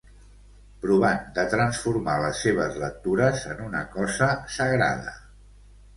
Provant de transformar les seves lectures en una cosa sagrada.